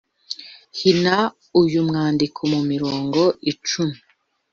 Hina uyu mwandiko mu mirongo icumi